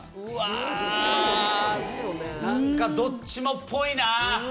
うわ何かどっちもぽいな。